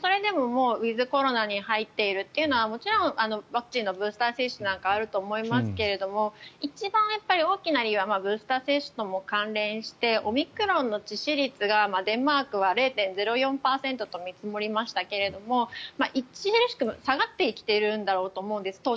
それでもウィズコロナに入っているというのはもちろんワクチンのブースター接種なんかがあると思いますが一番大きな理由はブースター接種とも関連してオミクロンの致死率がデンマークは０．０４％と見積もりましたが著しく下がってきているんだと思うんです。